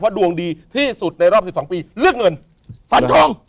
ดวงดีที่สุดในรอบ๑๒ปีเรื่องเงินฝันทอง